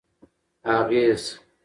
اغېز: